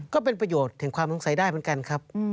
ก็เป็นประโยชน์ถึงความสงสัยได้เหมือนกันครับ